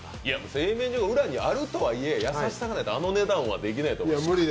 製麺所が裏にあるとはいえ、優しさがないとあの値段はできないと思いますよ。